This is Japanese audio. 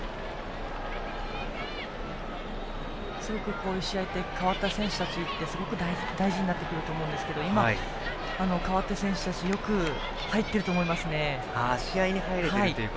こういう試合って代わった選手たちってすごく大事になってくると思うんですが今、代わった選手たち試合によく入っていると思います。